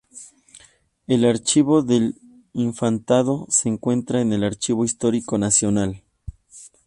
El archivo de Infantado se encuentra en el Archivo Histórico Nacional.